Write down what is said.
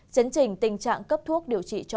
chấn trình tình trạng cấp thuốc điều trị cho